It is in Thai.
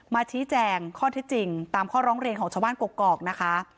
ชี้แจงข้อที่จริงตามข้อร้องเรียนของชาวบ้านกกอกนะคะ